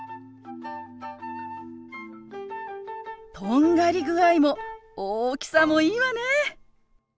とんがり具合も大きさもいいわね。